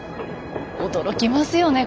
驚きますよね